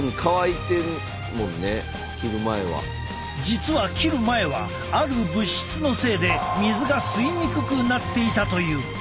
実は切る前はある物質のせいで水が吸いにくくなっていたという。